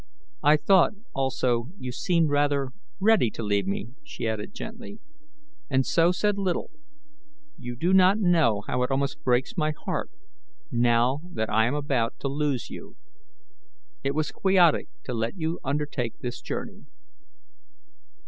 I thought, also, you seemed rather ready to leave me," she added gently, "and so said little; you do not know how it almost breaks my heart now that I am about to lose you. It was quixotic to let you undertake this journey."